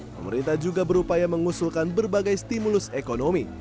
pemerintah juga berupaya mengusulkan berbagai stimulus ekonomi